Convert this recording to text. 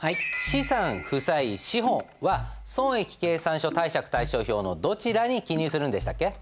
資産負債資本は損益計算書貸借対照表のどちらに記入するんでしたっけ？